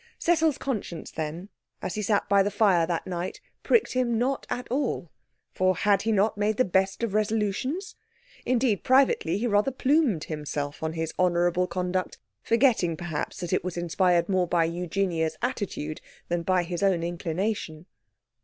Cecil's conscience, then, as he sat by the fire that night pricked him not at all, for had he not made the best of resolutions? Indeed, privately, he rather plumed himself on his honourable conduct, forgetting perhaps that it was inspired more by Eugenia's attitude than by his own inclination.